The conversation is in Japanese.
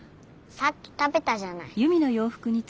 さっき食べたじゃない。